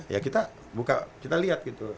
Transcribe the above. ya kita buka kita lihat gitu